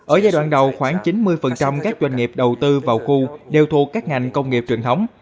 ở giai đoạn đầu khoảng chín mươi các doanh nghiệp đầu tư vào khu đều thuộc các ngành công nghiệp truyền thống